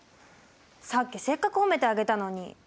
さっきせっかく褒めてあげたのに。